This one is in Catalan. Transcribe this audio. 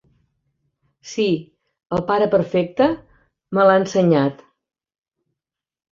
Sí, el pare Perfecte me l'ha ensenyat.